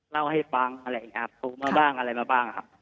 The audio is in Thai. เล่าให้ฟังอะไรอย่างเงี้ยอุ้มเมอร์บ้างอะไรมาบ้างครับ